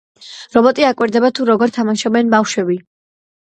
რობოტი აკვირდება, თუ როგორ თამაშობენ ბავშვები.